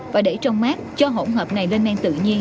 và để trong mát cho hỗn hợp này lên men tự nhiên